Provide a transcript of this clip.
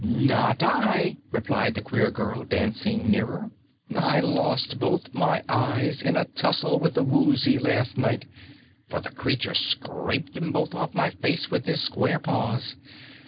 "Not I!" replied the queer girl, dancing nearer. "I lost both my eyes in a tussle with the Woozy last night, for the creature scraped 'em both off my face with his square paws.